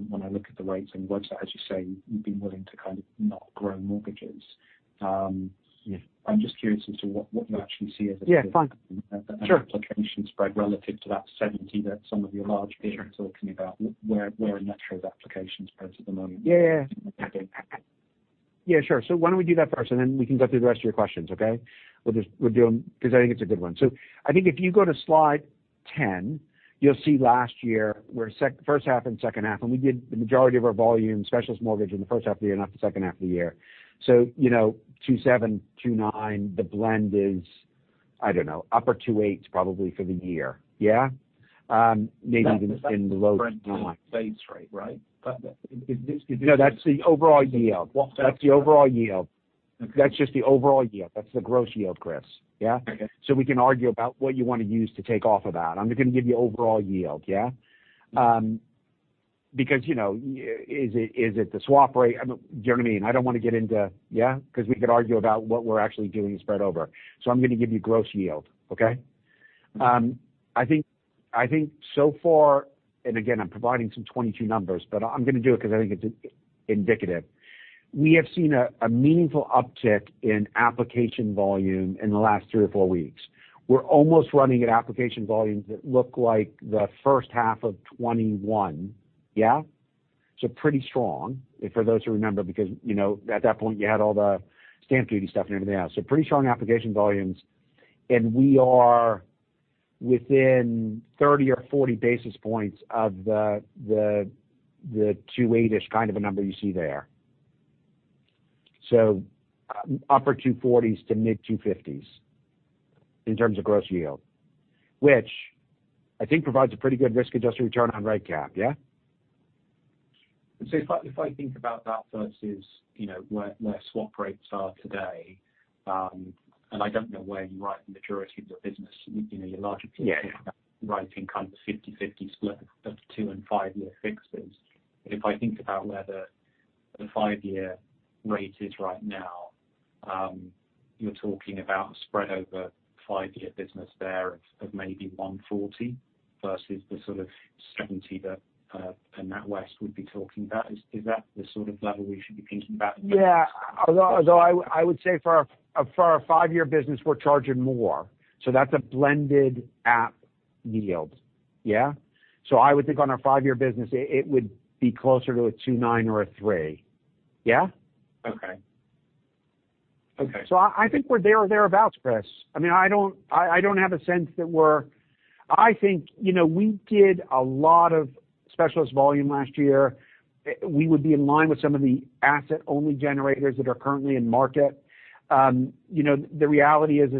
when I look at the rates on your website. As you say, you've been willing to kind of not grow mortgages. Yeah. I'm just curious as to what you actually see as a- Yeah, fine. Sure. An application spread relative to that 70 that some of your large peers are talking about. Where are NatWest application spreads at the moment? Yeah. Yeah, sure. Why don't we do that first, and then we can go through the rest of your questions, okay? We'll do them because I think it's a good one. I think if you go to slide 10, you'll see last year where first half and second half, and we did the majority of our volume specialist mortgage in the first half of the year, not the second half of the year. You know, 2.7, 2.9, the blend is, I don't know, upper 2.8s probably for the year. Yeah? Maybe even in the low 2.9s. That's the spread base rate, right? Is this? No, that's the overall yield. What- That's the overall yield. Okay. That's just the overall yield. That's the gross yield, Chris. Yeah? Okay. We can argue about what you want to use to take off of that. I'm just gonna give you overall yield, yeah? Because, you know, is it the swap rate? Do you know what I mean? I don't want to get into. Yeah. Because we could argue about what we're actually doing spread over. I'm gonna give you gross yield. Okay? I think so far, and again, I'm providing some 2022 numbers, but I'm gonna do it because I think it's indicative. We have seen a meaningful uptick in application volume in the last three or four weeks. We're almost running at application volumes that look like the first half of 2021. Pretty strong for those who remember because, you know, at that point you had all the stamp duty stuff and everything else. Pretty strong application volumes. We are within 30 or 40 basis points of the 2.8-ish kind of a number you see there. Upper 240s to mid 250s in terms of gross yield, which I think provides a pretty good risk-adjusted return on regulatory capital, yeah? If I think about that versus, you know, where swap rates are today, and I don't know where you write the majority of your business. You know, your larger peers- Yeah. Writing kind of a 50-50 split of two and five-year fixes. If I think about where the five-year rate is right now, you're talking about a spread over five-year business there of maybe 140 versus the sort of 70 that NatWest would be talking about. Is that the sort of level we should be thinking about? Yeah. Although I would say for our five-year business, we're charging more. That's a blended yield. Yeah. I would think on our five-year business it would be closer to 2.9% or 3%. Yeah. Okay. Okay. I think we're there or thereabouts, Chris. I mean, I don't have a sense that we're. I think, you know, we did a lot of specialist volume last year. We would be in line with some of the asset-only generators that are currently in market. You know, the reality is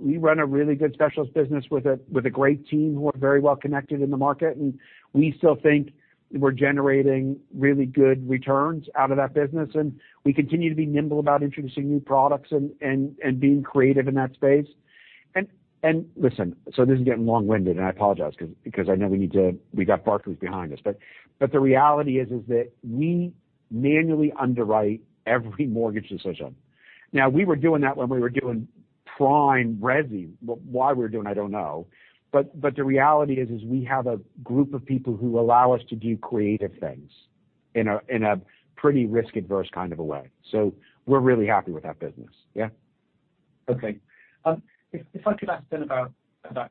we run a really good specialist business with a great team who are very well connected in the market, and we still think we're generating really good returns out of that business. We continue to be nimble about introducing new products and being creative in that space. Listen, this is getting long winded, and I apologize because I know we need to. We got Barclays behind us. The reality is that we manually underwrite every mortgage decision. Now, we were doing that when we were doing prime resi. Why we're doing, I don't know. The reality is we have a group of people who allow us to do creative things in a pretty risk-averse kind of a way. We're really happy with that business. Yeah. If I could ask then about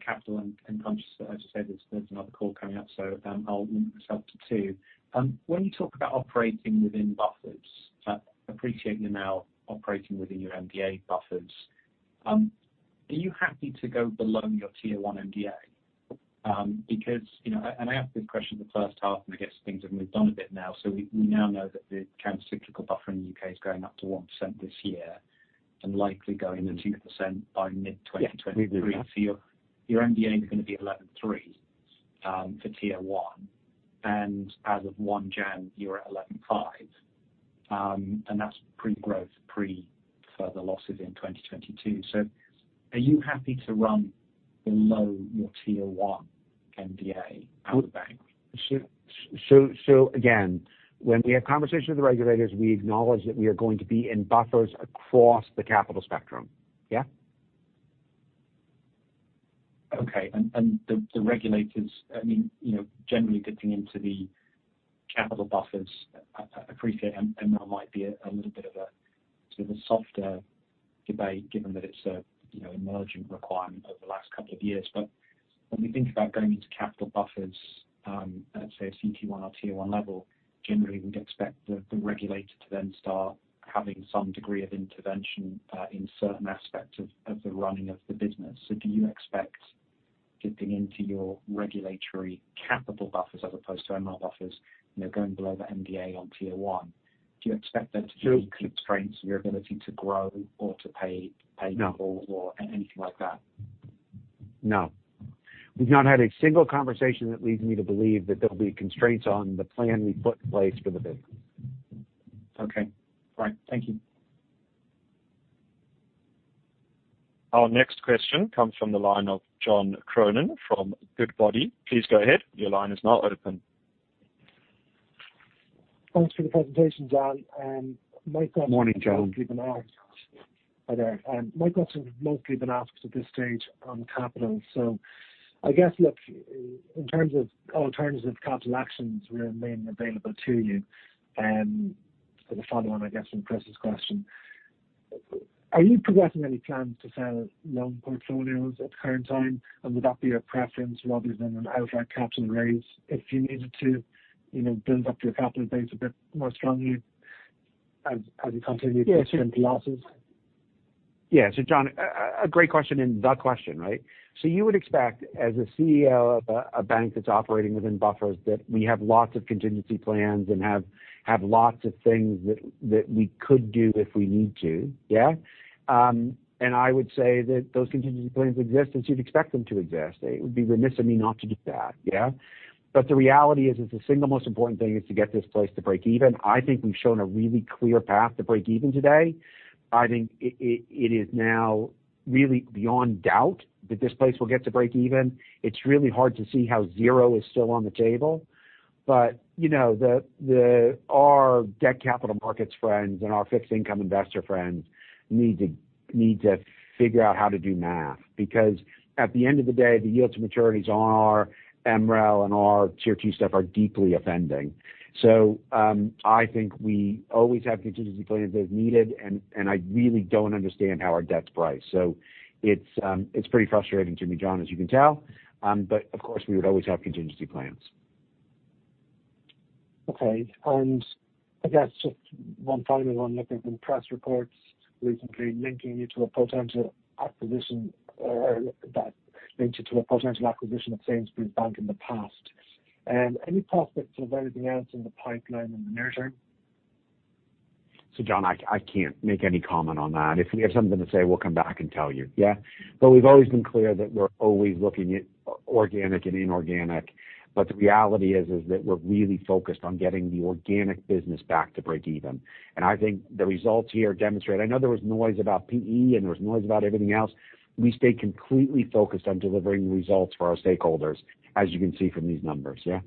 capital, and I'm just as you said, there's another call coming up, so I'll limit myself to two. When you talk about operating within buffers, I appreciate you're now operating within your MDA buffers. Are you happy to go below your Tier 1 MDA? Because, you know, and I asked this question in the first half, and I guess things have moved on a bit now, so we now know that the countercyclical buffer in the U.K. is going up to 1% this year and likely going to 2% by mid-2023. Yeah. We do. Your MDA is gonna be 11.3 for Tier 1, and as of 1 January, you're at 11.5. That's pre-growth, pre further losses in 2022. Are you happy to run below your Tier 1 MDA at the bank? Again, when we have conversations with the regulators, we acknowledge that we are going to be in buffers across the capital spectrum. Yeah. Okay. The regulators, I mean, you know, generally dipping into the capital buffers. I appreciate MREL might be a little bit of a softer debate given that it's a, you know, emerging requirement over the last couple of years. When we think about going into capital buffers, let's say a CET1 or Tier 1 level, generally we'd expect the regulator to then start having some degree of intervention in certain aspects of the running of the business. Do you expect dipping into your regulatory capital buffers as opposed to MREL buffers, you know, going below the MDA on Tier 1? Do you expect there to be constraints on your ability to grow or to pay- No. no dividend or anything like that? No. We've not had a single conversation that leads me to believe that there'll be constraints on the plan we've put in place for the business. Okay. Right. Thank you. Our next question comes from the line of John Cronin from Goodbody. Please go ahead. Your line is now open. Thanks for the presentation, Dan. My question. Morning, John. Hi there. My questions have mostly been asked at this stage on capital. I guess, look, in terms of alternative capital actions remaining available to you, for the follow on, I guess, from Chris's question. Are you progressing any plans to sell loan portfolios at the current time, and would that be a preference rather than an outright capital raise if you needed to build up your capital base a bit more strongly as you continue- Yeah. to print the losses? John, a great question and the question, right? You would expect, as a CEO of a bank that's operating within buffers, that we have lots of contingency plans and have lots of things that we could do if we need to. I would say that those contingency plans exist as you'd expect them to exist. It would be remiss of me not to do that. The reality is the single most important thing is to get this place to break even. I think we've shown a really clear path to break even today. I think it is now really beyond doubt that this place will get to break even. It's really hard to see how zero is still on the table. You know, our debt capital markets friends and our fixed income investor friends need to figure out how to do math because at the end of the day, the yields and maturities on our MREL and our tier two stuff are deeply offending. I think we always have contingency plans as needed, and I really don't understand how our debt's priced. It's pretty frustrating to me, John, as you can tell. Of course, we would always have contingency plans. Okay. I guess just one final one. Looking from press reports recently linking you to a potential acquisition or that linked you to a potential acquisition of Sainsbury's Bank in the past, any prospects of anything else in the pipeline in the near term? John, I can't make any comment on that. If we have something to say, we'll come back and tell you. Yeah. We've always been clear that we're always looking at organic and inorganic. The reality is that we're really focused on getting the organic business back to break even. I think the results here demonstrate. I know there was noise about PE and there was noise about everything else. We stay completely focused on delivering results for our stakeholders, as you can see from these numbers. Yeah.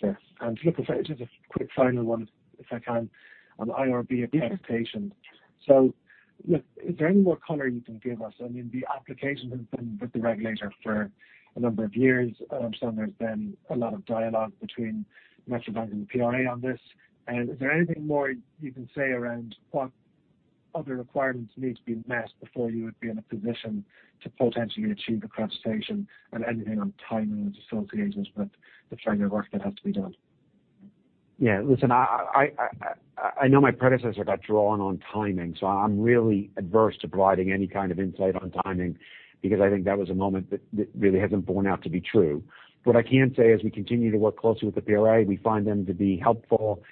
Sure. Look, just a quick final one, if I can, on IRB accreditation. Look, is there any more color you can give us? I mean, the application has been with the regulator for a number of years. I understand there's been a lot of dialogue between Metro Bank and the PRA on this. Is there anything more you can say around what other requirements need to be met before you would be in a position to potentially achieve accreditation and anything on timing associated with the kind of work that has to be done? Yeah. Listen, I know my predecessor got drawn on timing, so I'm really adverse to providing any kind of insight on timing because I think that was a moment that really hasn't borne out to be true. What I can say as we continue to work closely with the PRA, we find them to be helpful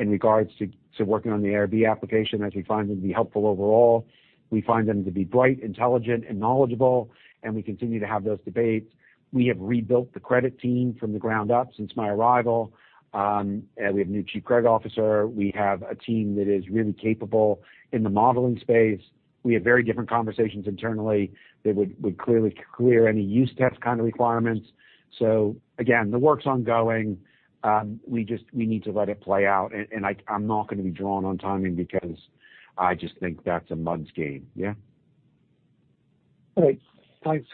in regards to working on the IRB application, as we find them to be helpful overall. We find them to be bright, intelligent and knowledgeable, and we continue to have those debates. We have rebuilt the credit team from the ground up since my arrival. We have a new Chief Credit Officer. We have a team that is really capable in the modeling space. We have very different conversations internally that would clearly clear any use test kind of requirements. Again, the work's ongoing. We need to let it play out. I'm not gonna be drawn on timing because I just think that's a mudslide. Yeah. All right. Thanks.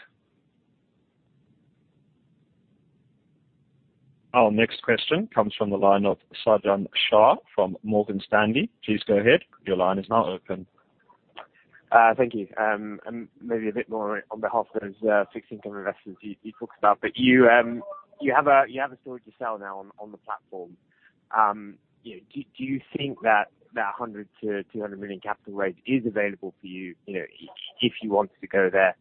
Our next question comes from the line of Sajan Shah from Morgan Stanley. Please go ahead. Your line is now open. Thank you. Maybe a bit more on behalf of those fixed income investors you talked about. You have a story to sell now on the platform. You know, do you think that 100 million-200 million capital raise is available for you know, if you wanted to go there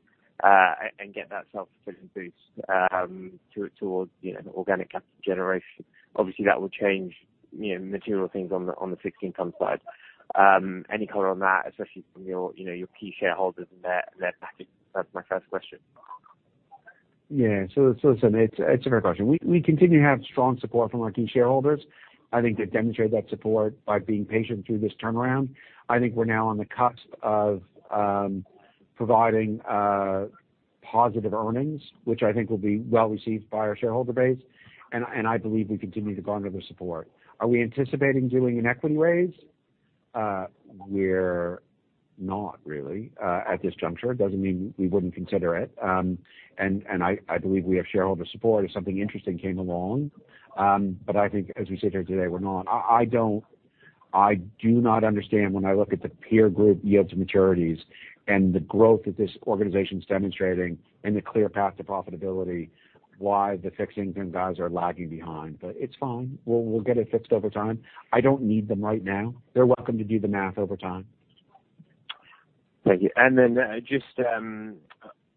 and get that self-fulfilling boost towards, you know, organic capital generation? Obviously that will change, you know, material things on the fixed income side. Any color on that, especially from your, you know, your key shareholders and their backing? That's my first question. Yeah. Listen, it's a fair question. We continue to have strong support from our key shareholders. I think they've demonstrated that support by being patient through this turnaround. I think we're now on the cusp of providing positive earnings, which I think will be well received by our shareholder base. I believe we continue to garner their support. Are we anticipating doing an equity raise? We're not really at this juncture. It doesn't mean we wouldn't consider it. I believe we have shareholder support if something interesting came along. I think as we sit here today, we're not. I do not understand when I look at the peer group yields maturities and the growth that this organization's demonstrating and the clear path to profitability, why the fixed income guys are lagging behind? It's fine. We'll get it fixed over time. I don't need them right now. They're welcome to do the math over time. Thank you.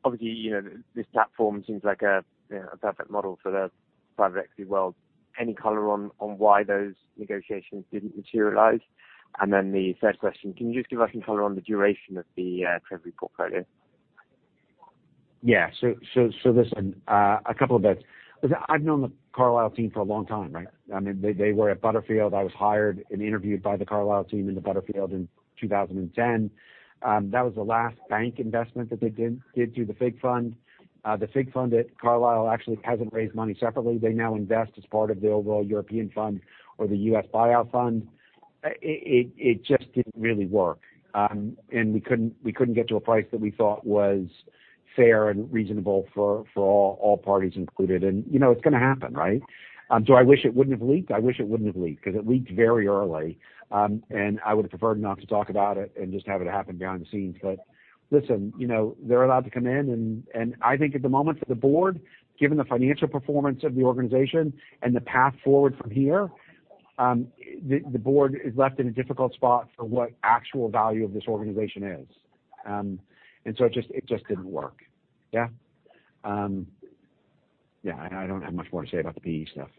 Obviously, you know, this platform seems like a, you know, a perfect model for the private equity world. Any color on why those negotiations didn't materialize? The third question, can you just give us some color on the duration of the Treasury portfolio? Yeah. Listen, a couple of bits. I've known the Carlyle team for a long time, right? I mean, they were at Butterfield. I was hired and interviewed by the Carlyle team into Butterfield in 2010. That was the last bank investment that they did through the FIG fund. The FIG fund at Carlyle actually hasn't raised money separately. They now invest as part of the overall European Fund or the U.S. Buyout Fund. It just didn't really work. We couldn't get to a price that we thought was fair and reasonable for all parties included. You know, it's gonna happen, right? I wish it wouldn't have leaked. I wish it wouldn't have leaked, 'cause it leaked very early. I would have preferred not to talk about it and just have it happen behind the scenes. Listen, you know, they're allowed to come in. I think at the moment for the board, given the financial performance of the organization and the path forward from here, the board is left in a difficult spot for what actual value of this organization is. It just didn't work. Yeah? Yeah, I don't have much more to say about the PE stuff.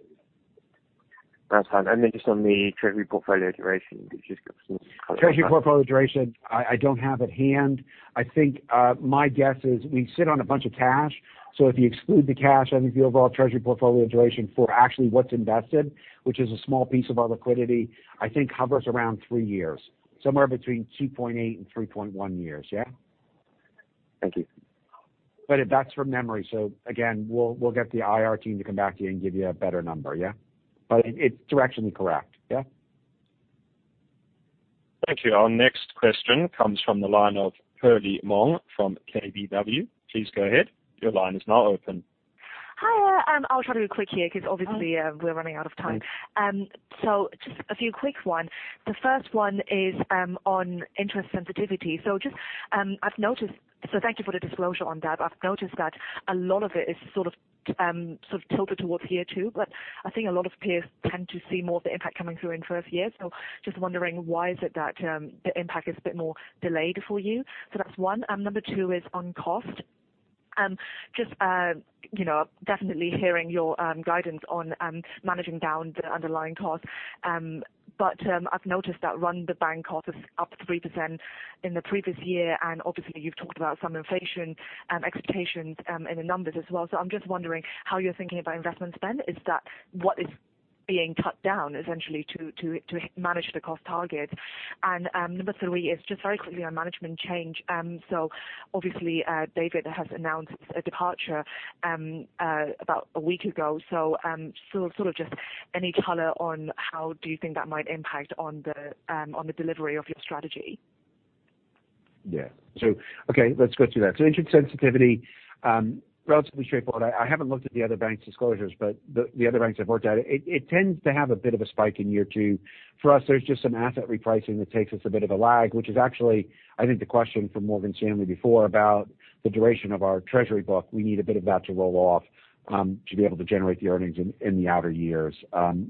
That's fine. Just on the treasury portfolio duration, can you just give us some color on that? Treasury portfolio duration, I don't have at hand. I think my guess is we sit on a bunch of cash. If you exclude the cash, I think the overall Treasury portfolio duration for actually what's invested, which is a small piece of our liquidity, I think hovers around three years, somewhere between 2.8-3.1 years. Yeah. Thank you. That's from memory. Again, we'll get the IR team to come back to you and give you a better number. Yeah. It's directionally correct. Yeah. Thank you. Our next question comes from the line of Perley Mong from KBW. Please go ahead. Your line is now open. Hi. I'll try to be quick here because obviously, we're running out of time. Just a few quick one. The first one is on interest sensitivity. I've noticed. Thank you for the disclosure on that. I've noticed that a lot of it is sort of tilted towards year two, but I think a lot of peers tend to see more of the impact coming through in first year. Just wondering why is it that the impact is a bit more delayed for you? That's one. Number two is on cost. Just, you know, definitely hearing your guidance on managing down the underlying cost. I've noticed that run the bank cost is up 3% in the previous year, and obviously you've talked about some inflation expectations in the numbers as well. I'm just wondering how you're thinking about investment spend. Is that what is being cut down essentially to manage the cost target? Number three is just very quickly on management change. Obviously, David has announced a departure about a week ago. Sort of just any color on how do you think that might impact on the delivery of your strategy? Yeah. Okay, let's go through that. Interest sensitivity, relatively straightforward. I haven't looked at the other bank's disclosures, but the other banks I've worked at, it tends to have a bit of a spike in year two. For us, there's just some asset repricing that takes us a bit of a lag, which is actually I think the question from Morgan Stanley before about the duration of our treasury book. We need a bit of that to roll off, to be able to generate the earnings in the outer years.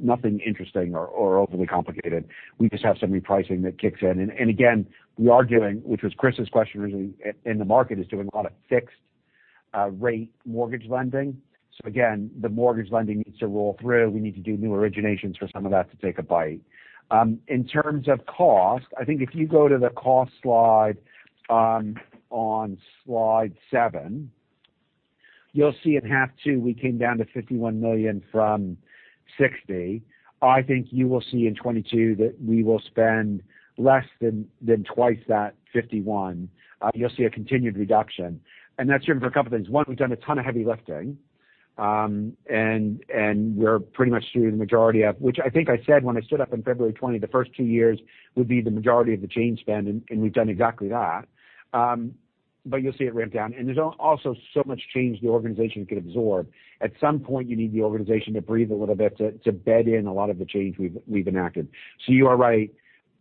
Nothing interesting or overly complicated. We just have some repricing that kicks in. Again, we are doing, which was Chris's question originally in the market, is doing a lot of fixed rate mortgage lending. Again, the mortgage lending needs to roll through. We need to do new originations for some of that to take a bite. In terms of cost, I think if you go to the cost slide, on slide seven, you'll see in H2 we came down to 51 million from 60 million. I think you will see in 2022 that we will spend less than twice that 51 million. You'll see a continued reduction, and that's driven by a couple things. One, we've done a ton of heavy lifting. We're pretty much through the majority of which I think I said when I stood up in February 2020, the first two years would be the majority of the change spend, and we've done exactly that. But you'll see it ramp down. There's also so much change the organization can absorb. At some point, you need the organization to breathe a little bit to bed in a lot of the change we've enacted. You are right.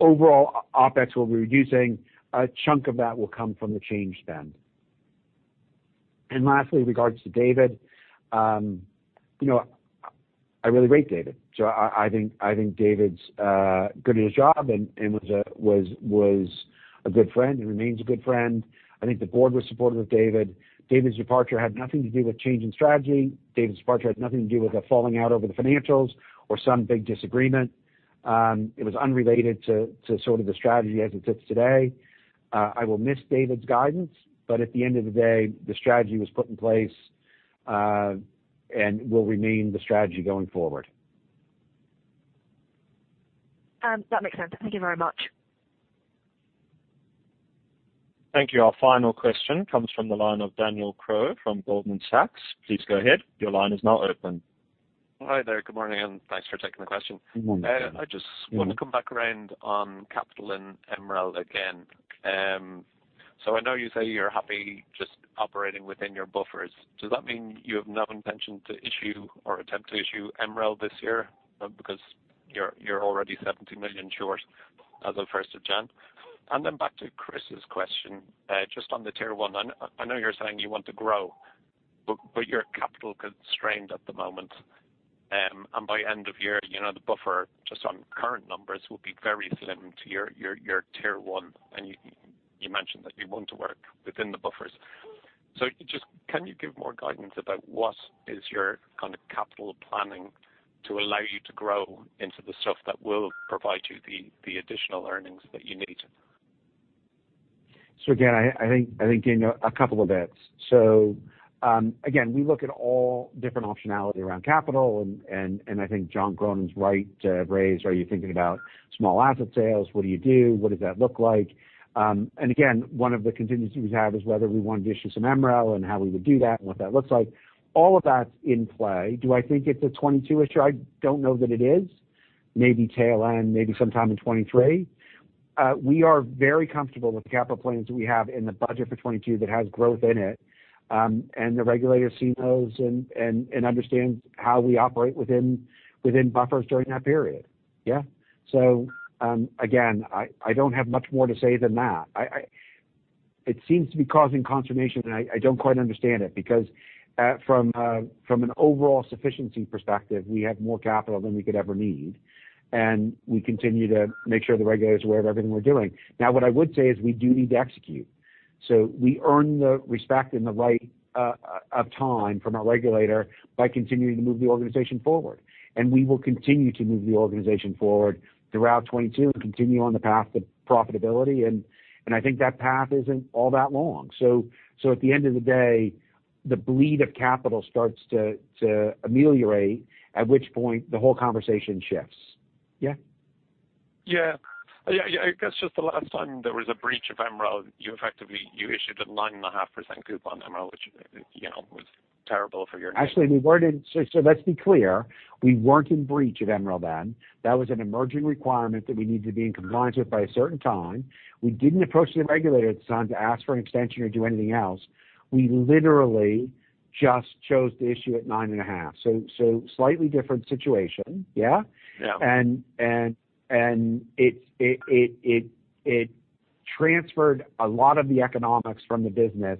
Overall, OPEX will be reducing. A chunk of that will come from the change spend. Lastly, regards to David. You know, I really rate David. I think David's good at his job and was a good friend and remains a good friend. I think the board was supportive of David. David's departure had nothing to do with change in strategy. David's departure had nothing to do with a falling out over the financials or some big disagreement. It was unrelated to sort of the strategy as it sits today. I will miss David's guidance, but at the end of the day, the strategy was put in place, and will remain the strategy going forward. That makes sense. Thank you very much. Thank you. Our final question comes from the line of Daniel Crowe from Goldman Sachs. Please go ahead. Your line is now open. Hi there. Good morning, and thanks for taking the question. Good morning. I just want to come back around on capital and MREL again. So I know you say you're happy just operating within your buffers. Does that mean you have no intention to issue or attempt to issue MREL this year because you're already 70 million short as of first of January? Then back to Chris's question, just on the Tier 1. I know you're saying you want to grow, but you're capital constrained at the moment. And by end of year, you know, the buffer just on current numbers will be very slim to your Tier 1. You mentioned that you want to work within the buffers. Just, can you give more guidance about what is your kind of capital planning to allow you to grow into the stuff that will provide you the additional earnings that you need? Again, I think you know a couple of bits. Again, we look at all different optionality around capital and I think John Cronin's right to raise. Are you thinking about small asset sales? What do you do? What does that look like? Again, one of the contingencies we have is whether we want to issue some MREL and how we would do that and what that looks like. All of that's in play. Do I think it's a 2022 issue? I don't know that it is. Maybe tail end, maybe sometime in 2023. We are very comfortable with the capital plans we have in the budget for 2022 that has growth in it. The regulators see those and understand how we operate within buffers during that period. Again, I don't have much more to say than that. It seems to be causing consternation, and I don't quite understand it because from an overall sufficiency perspective, we have more capital than we could ever need, and we continue to make sure the regulator is aware of everything we're doing. Now, what I would say is we do need to execute. We earn the respect and the right of time from our regulator by continuing to move the organization forward. We will continue to move the organization forward throughout 2022 and continue on the path to profitability. I think that path isn't all that long. At the end of the day, the bleed of capital starts to ameliorate, at which point the whole conversation shifts. Yeah? Yeah. I guess just the last time there was a breach of MREL, you effectively, you issued a 9.5% coupon MREL, which, you know, was terrible for your- Actually, let's be clear. We weren't in breach of MREL then. That was an emerging requirement that we needed to be in compliance with by a certain time. We didn't approach the regulator at the time to ask for an extension or do anything else. We literally just chose to issue at 9.5%. Slightly different situation, yeah? Yeah. It transferred a lot of the economics from the business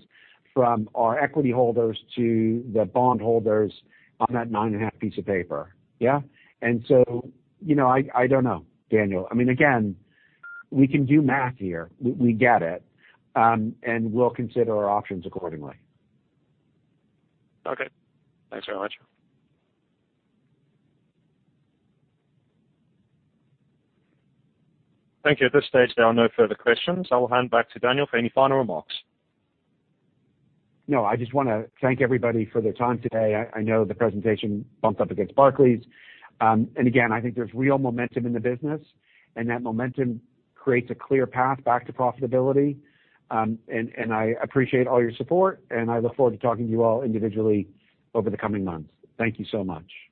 from our equity holders to the bond holders on that 9.5% piece of paper, yeah? You know, I don't know, Daniel. I mean, again, we can do math here. We get it. We'll consider our options accordingly. Okay. Thanks very much. Thank you. At this stage, there are no further questions. I will hand back to Daniel for any final remarks. No, I just wanna thank everybody for their time today. I know the presentation bumped up against Barclays. Again, I think there's real momentum in the business, and that momentum creates a clear path back to profitability. I appreciate all your support, and I look forward to talking to you all individually over the coming months. Thank you so much.